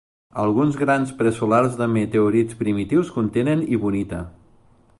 Alguns grans presolars de meteorits primitius contenen hibonita.